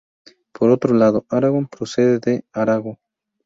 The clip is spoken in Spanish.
Por otro lado "Aragón" procede de "Aragó".